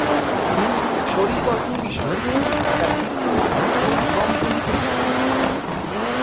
শরীর গঠন বিষয়ে তিনি একাধিক বই ও নিবন্ধ লিখেছেন।